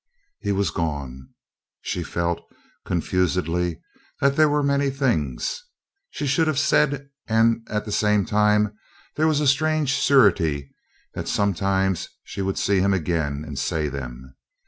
He was gone. She felt, confusedly, that there were many thing? she should have said and at the same time there was a strange surety that sometime she would see him again and say them.